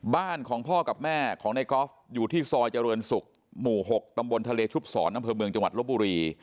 บ้านของพ่อกับแม่ของในกอล์ฟอยู่ที่ซอยเจริญศุกร์หมู่๖ตำบลทะเลชุบศรอำเภอเมืองจังหวัดลบบุรี